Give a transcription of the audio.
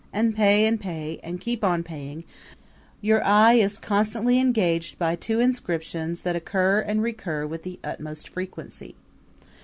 ] and pay and pay, and keep on paying, your eye is constantly engaged by two inscriptions that occur and recur with the utmost frequency.